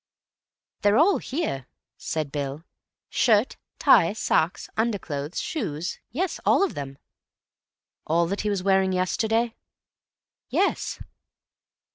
"They're all here," said Bill. "Shirt, tie, socks, underclothes, shoes—yes, all of them." "All that he was wearing yesterday?" "Yes."